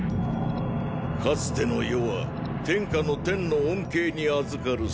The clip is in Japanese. かつての世は天下の“天”の恩恵にあずかる世界。